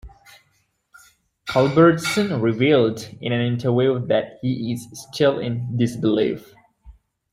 Culbertson revealed in an interview that he is ...still in disbelief.